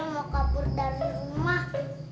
mau kabur dari rumah